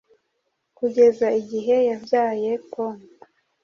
Kugeza igihe yabyaye pome.